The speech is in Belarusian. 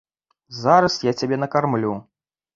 Зараз я цябе накармлю.